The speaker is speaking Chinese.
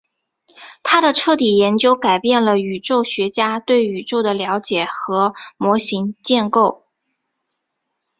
她的研究彻底改变了宇宙学家对宇宙的了解和模型建构。